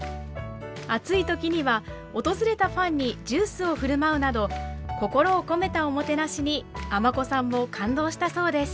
暑い時には訪れたファンにジュースを振る舞うなど心を込めたおもてなしに尼子さんも感動したそうです。